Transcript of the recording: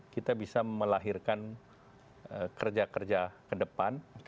kita bisa melahirkan kerja kerja ke depan